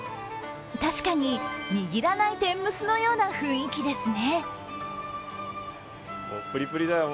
確かに、握らない天むすのような雰囲気ですね。